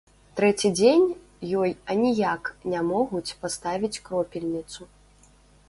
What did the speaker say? Трэці дзень ёй аніяк не могуць паставіць кропельніцу.